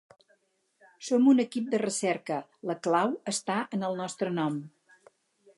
Som un equip de recerca, la clau està en el nostre nom.